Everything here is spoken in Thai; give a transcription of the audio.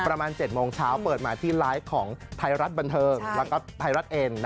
ประมาณ๗โมงเช้าเปิดมาที่ไลฟ์ของไทยรัฐบันเทิงแล้วก็ไทยรัฐเอ็น